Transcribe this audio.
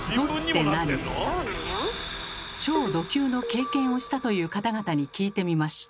超ド級の経験をしたという方々に聞いてみました。